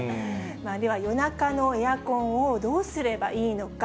では夜中のエアコンをどうすればいいのか。